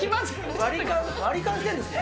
割り勘してんですね？